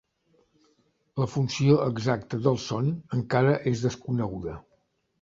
La funció exacta del son encara és desconeguda.